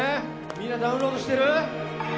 みんなダウンロードしてる？